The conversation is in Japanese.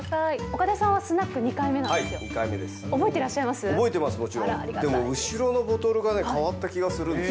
岡田さんはスナック２回目なんで２回目です。